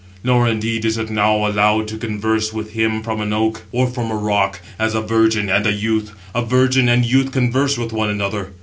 Nor, indeed, is it now allowed to converse with him from an oak, or from a rock, as a virgin and a youth; a virgin and youth converse with one another.